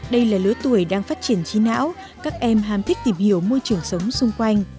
đây là lứa tuổi đang phát triển trí não các em ham thích tìm hiểu môi trường sống xung quanh